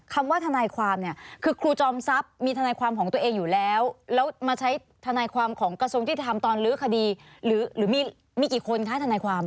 คำว่าทนายความเนี่ยคือครูจอมทรัพย์มีทนายความของตัวเองอยู่แล้วแล้วมาใช้ทนายความของกระทรวงยุติธรรมตอนลื้อคดีหรือมีกี่คนคะทนายความ